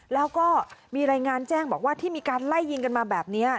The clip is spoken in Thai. แล้วก็มีรายงานแจ้งบอกว่าที่มีการไล่ยิงกันมาแบบนี้